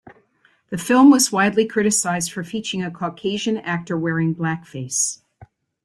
The film was widely criticized for featuring a Caucasian actor wearing blackface.